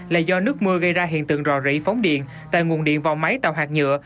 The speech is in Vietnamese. là do nước mưa gây ra hiện tượng rò rỉ phóng điện tại nguồn điện vào máy tạo hạt nhựa